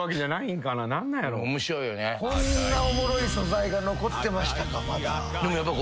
こんなおもろい素材が残ってましたかまだ。